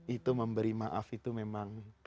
itu memberi maaf itu memang